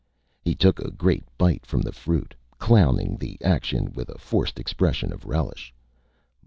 He took a great bite from the fruit, clowning the action with a forced expression of relish.